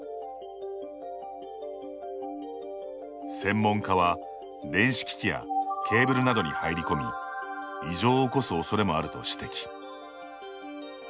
専門家は、電子機器やケーブルなどに入り込み異常を起こす恐れもあると指摘。